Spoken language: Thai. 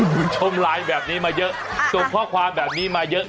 คุณผู้ชมไลน์แบบนี้มาเยอะส่งข้อความแบบนี้มาเยอะ